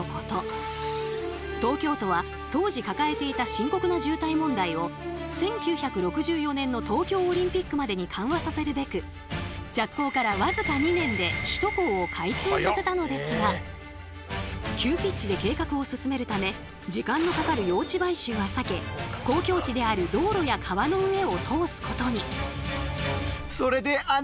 東京都は当時抱えていた深刻な渋滞問題を１９６４年の東京オリンピックまでに緩和させるべく着工から僅か２年で首都高を開通させたのですが急ピッチで計画を進めるため時間のかかる用地買収は避け公共地である道路や川の上を通すことに。